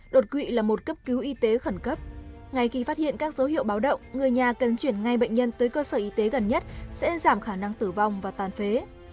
đột quỵ là một cấp cứu y tế khẩn cấp ngay khi phát hiện các dấu hiệu báo động người nhà cần chuyển ngay bệnh nhân tới cơ sở y tế gần nhất sẽ giảm khả năng tử vong và tàn phế